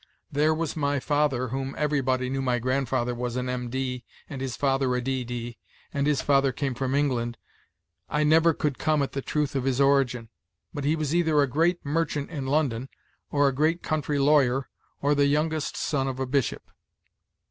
There was my father whom everybody knew my grandfather was an M.D., and his father a D.D.; and his father came from England, I never could come at the truth of his origin; but he was either a great mer chant in London, or a great country lawyer, or the youngest son of a bishop."